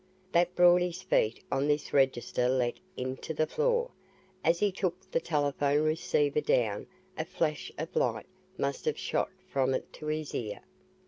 That brought his feet on this register let into the floor. As he took the telephone receiver down a flash of light must have shot from it to his ear.